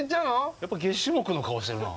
やっぱげっ歯目の顔してるなあ。